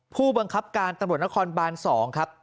ผู้บังคับการตำรวจนครบาน๒ครับ